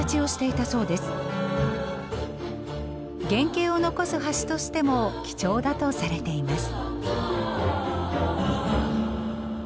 原形を残す橋としても貴重だとされています。